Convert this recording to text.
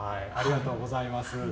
ありがとうございます。